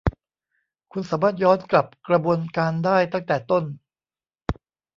คุณสามารถย้อนกลับกระบวนการได้ตั้งแต่ต้น